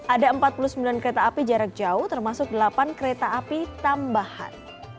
ada empat puluh sembilan kereta api jarak jauh termasuk delapan kereta api tambahan